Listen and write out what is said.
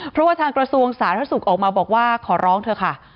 เพราะว่าทางกระทรวงสาธารณสุขออกมาบอกว่าขอร้องเถอะค่ะ